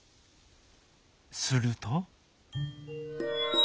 すると。